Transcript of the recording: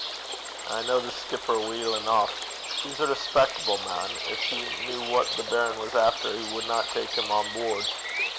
'I ken the skipper weel eneuch. He's a respectable man. Gin he kent what the baron was efter, he wadna tak him on boord.'